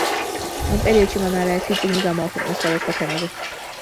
ამ პეროდში მან არაერთი წიგნი გამოაქვეყნა სხვადასხვა თემაზე.